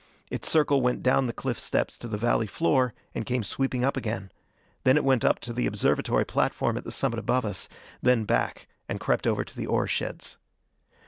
Its circle went down the cliff steps to the valley floor, and came sweeping up again. Then it went up to the observatory platform at the summit above us, then back and crept over to the ore sheds.